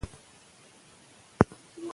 ښوونکي هره ورځ زده کوونکو ته نوي شیان ښيي.